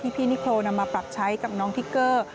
พี่นิโครนำมาปรับใช้กับน้องทิกเกอร์